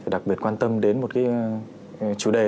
đặc biệt quan tâm đến một chủ đề